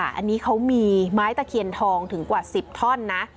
อันนี้เขามีไม้ตะเคียนทองถึงกว่า๑๐ท่อนนะ